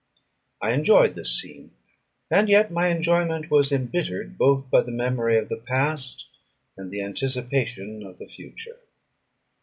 I enjoyed this scene; and yet my enjoyment was embittered both by the memory of the past, and the anticipation of the future.